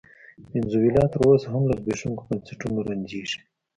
وینزویلا تر اوسه هم له زبېښونکو بنسټونو رنځېږي.